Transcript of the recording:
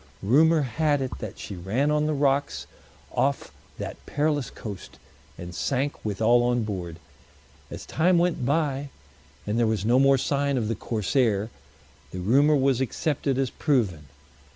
Rumor had it that she ran on the rocks off that perilous coast, and sank with all on board. As time went by, and there was no more sign of the corsair, the rumor was accepted as proven.